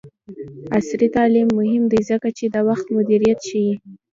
عصري تعلیم مهم دی ځکه چې د وخت مدیریت ښيي.